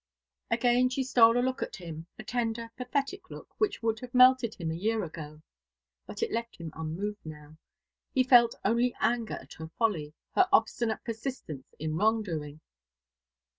Again she stole a look at him, a tender pathetic look, which would have melted him a year ago. But it left him unmoved now. He felt only anger at her folly, her obstinate persistence in wrong doing.